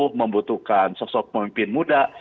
itu membutuhkan sosok pemimpin muda